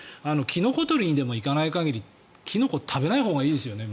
キノコ採りにでも行かない限りキノコ食べないほうがいいですよね。